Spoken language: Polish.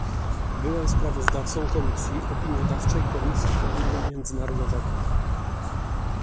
Byłem sprawozdawcą komisji opiniodawczej Komisji Handlu Międzynarodowego